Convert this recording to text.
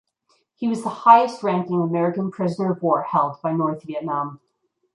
He was the highest ranking American prisoner of war held by North Vietnam.